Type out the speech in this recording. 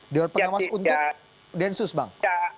dewan pengawas untuk densus bang